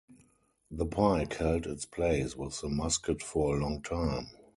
The pike held its place with the musket for a long time.